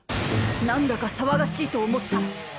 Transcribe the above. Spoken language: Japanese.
なんだか騒がしいと思ったら。